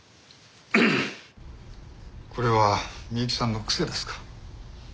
これは美雪さんの癖ですか？